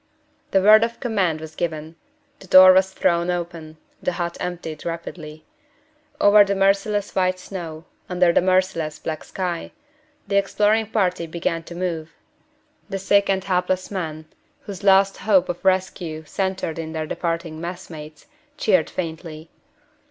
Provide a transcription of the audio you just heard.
The word of command was given; the door was thrown open; the hut emptied rapidly. Over the merciless white snow under the merciless black sky the exploring party began to move. The sick and helpless men, whose last hope of rescue centered in their departing messmates, cheered faintly.